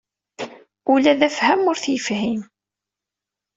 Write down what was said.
Ula d afham ur t-yefhim.